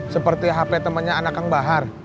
seperti hp temannya anak kang bahar